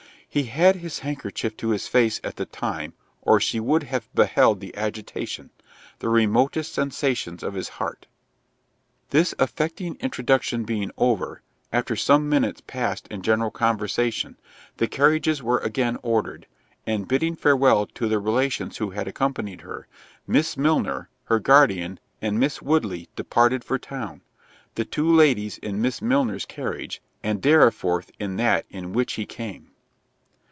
He had his handkerchief to his face at the time, or she would have beheld the agitation—the remotest sensations of his heart. This affecting introduction being over, after some minutes passed in general conversation, the carriages were again ordered; and, bidding farewell to the relations who had accompanied her, Miss Milner, her guardian, and Miss Woodley departed for town; the two ladies in Miss Milner's carriage, and Dorriforth in that in which he came.